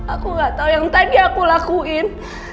aku gak tau yang tadi aku lakuin